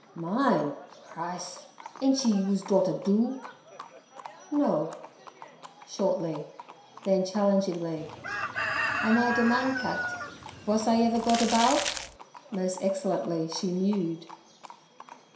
'Mine. Chrise! Ain't she yous dotter, doo?' 'No'—shortly. Then challengingly: 'Am I der man cat? Vos I ever got aboud?'—most excellently she mewed.